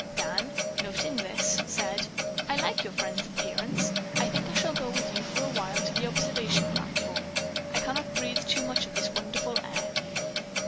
Dan, noting this, said: "I like your friend's appearance. I think I shall go with you for a while to the observation platform. I cannot breathe too much of this wonderful air."